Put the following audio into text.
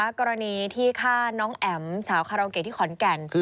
ผู้ศึกรรณีที่ฆ่าน้องแอ๋มเจ้าคาราโอเกย์ที่ขอนแก่น